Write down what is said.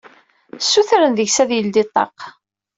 Sutren deg-s ad yeldi ṭṭaq.